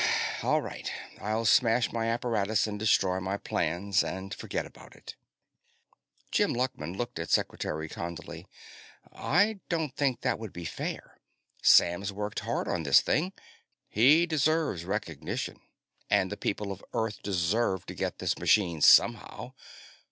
"All right. I'll smash my apparatus and destroy my plans and forget about it." Jim Luckman looked at Secretary Condley. "I don't think that would be fair. Sam's worked hard on this thing. He deserves recognition. And the people of Earth deserve to get this machine somehow.